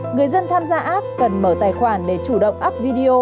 người dân tham gia app cần mở tài khoản để chủ động up video